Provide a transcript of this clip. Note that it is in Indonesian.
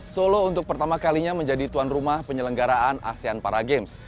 solo untuk pertama kalinya menjadi tuan rumah penyelenggaraan asean para games